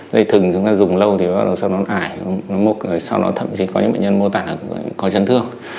dây thừng chúng ta dùng lâu thì bắt đầu sau đó nó ải sau đó thậm chí có những bệnh nhân mô tả là có chấn thương